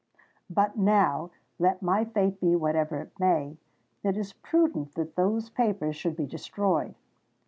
'—But now, let my fate be whatever it may, it is prudent that those papers should be destroyed.